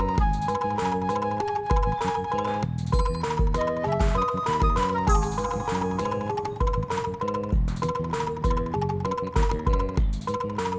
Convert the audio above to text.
ya ak kurang lebih sekarang imut dan mau nikah